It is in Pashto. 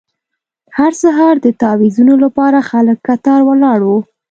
هر سهار د تاویزونو لپاره خلک کتار ولاړ وو.